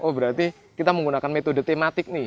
oh berarti kita menggunakan metode tematik nih